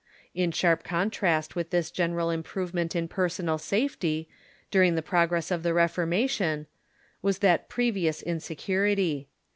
In sharp con trast with this general improvement in personal safety, during the progress of the Reformation, Avas that previous insecurity.